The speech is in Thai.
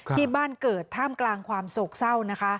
ที่บ้านเกิดท่ามกลางความโศกเศร้านะคะ